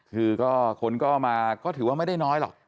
คือคนก็มาก็ถือว่าไม่ได้น้อยหรอก